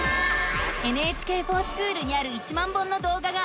「ＮＨＫｆｏｒＳｃｈｏｏｌ」にある１万本のどうががあらわれたよ。